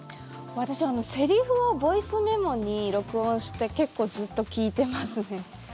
私はセリフをボイスメモに録音して結構ずっと聞いてますね。